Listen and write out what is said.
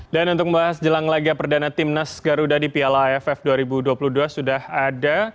dan untuk membahas jelang laga perdana tim nas garuda di piala aff dua ribu dua puluh dua sudah ada